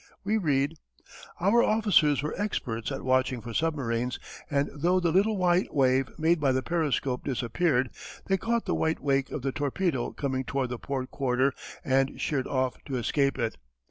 We read: Our officers were experts at watching for submarines, and though the little white wave made by the periscope disappeared, they caught the white wake of the torpedo coming toward the port quarter and sheered off to escape it.